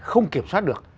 không kiểm soát được